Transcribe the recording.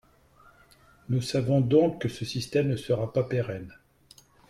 Nous savons donc que ce système ne sera pas pérenne.